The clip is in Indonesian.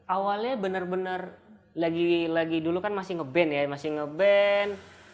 awalnya bener bener lagi lagi dulu kan masih ngeband ya masih ngeband